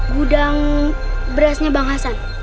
gudang berasnya bang hasan